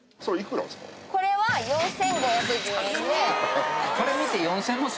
これは４，５１０円で。